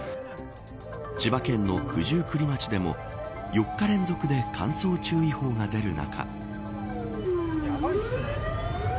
千葉県の九十九里町でも４日連続で乾燥注意報が出る中。